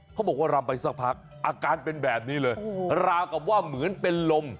บอกว่ารำไปสักพักอาการเป็นแบบนี้เลยราวกับว่าเหมือนเป็นลม